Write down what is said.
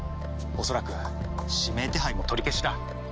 恐らく指名手配も取り消しだ。